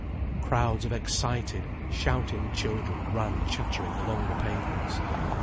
Crowds of excited, shouting children ran chattering along the pavements.